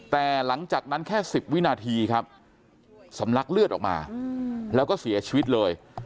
แต่หลังจากนั้นแค่๑๐วินาทีครับสำลักเลือดออกมาแล้วก็เสียชีวิตเลย